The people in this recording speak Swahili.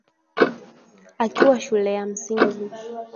Akiwa shule ya msingi